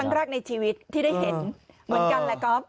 แรกในชีวิตที่ได้เห็นเหมือนกันแหละก๊อฟ